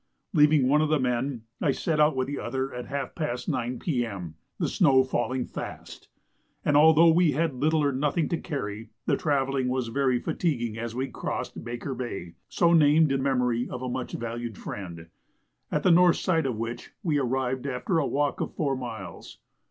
Leaving one of the men, I set out with the other at half past 9 P.M., the snow falling fast; and although we had little or nothing to carry, the travelling was very fatiguing as we crossed Baker Bay so named in memory of a much valued friend at the north side of which we arrived after a walk of four miles.